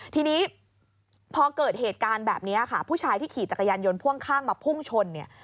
ทีนี้พอเกิดเหตุการณ์แบบนี้ค่ะผู้ชายที่ขี่จักรยานยนต์พ่วงข้างมาพุ่งชนเนี่ย